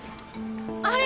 あれ？